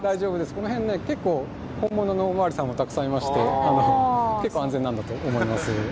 この辺、結構本物のお巡りさんもいまして、結構、安全だと思います。